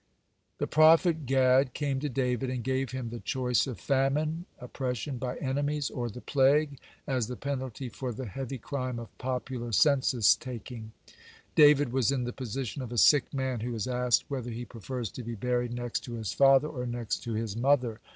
(120) The prophet Gad came to David and gave him the choice of famine, oppression by enemies, or the plague, as the penalty for the heavy crime of popular census taking. David was in the position of a sick man who is asked whether he prefers to be buried next to his father or next to his mother.